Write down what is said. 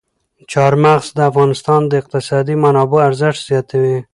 چار مغز د افغانستان د اقتصادي منابعو ارزښت زیاتوي.